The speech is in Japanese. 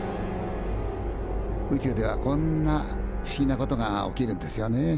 宇宙ではこんな不思議なことが起きるんですよねえ。